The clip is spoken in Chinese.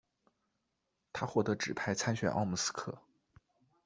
他获得指派参选奥姆斯克。